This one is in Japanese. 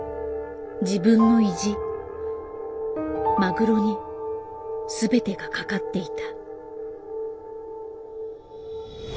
自分の意地マグロに全てがかかっていた。